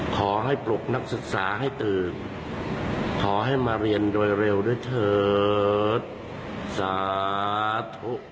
ขอให้ปลุกนักศึกษาให้ตื่นขอให้มาเรียนโดยเร็วด้วยเถิดสาธุ